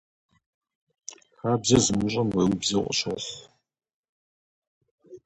Хабзэ зымыщӏэм уеубзэу къыщохъу.